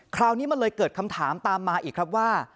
คราวนี้มันเลยเกิดคำถามตามมาอีกครับว่า